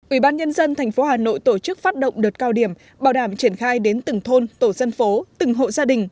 ubnd tp hà nội tổ chức phát động đợt cao điểm bảo đảm triển khai đến từng thôn tổ dân phố từng hộ gia đình